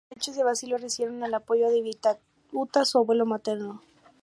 Los derechos de Basilio recibieron el apoyo de Vitautas, su abuelo materno.